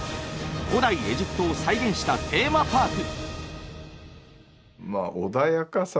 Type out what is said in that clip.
古代エジプトを再現したテーマパーク」。